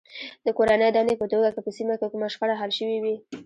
د کورنۍ دندې په توګه که په سیمه کې کومه شخړه حل شوې وي.